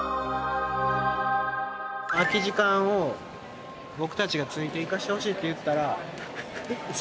空き時間を僕たちがついて行かせてほしいって言ったら。